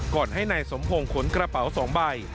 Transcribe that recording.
ให้นายสมพงศ์ขนกระเป๋า๒ใบ